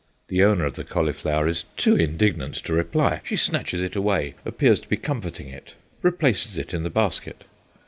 The owner of the cauliflower is too indignant to reply. She snatches it away, appears to be comforting it, replaces it in the basket.